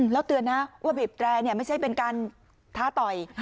แล้วเตือนนะว่าบีบแตรไม่ใช่เป็นการท้าต่อย